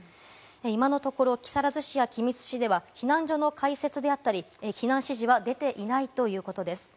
今のところ木更津市や君津市では避難所の開設であったり、避難指示は出ていないということです。